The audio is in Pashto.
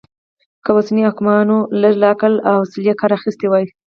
که اوسنيو حاکمانو لږ له عقل او حوصلې کار اخيستی وای